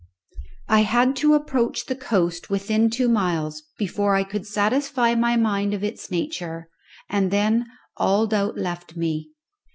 I had to approach the coast within two miles before I could satisfy my mind of its nature, and then all doubt left me.